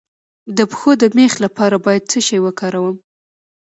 د پښو د میخ لپاره باید څه شی وکاروم؟